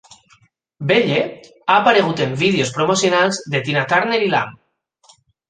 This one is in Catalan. Belle ha aparegut en vídeos promocionals de Tina Turner i Iam.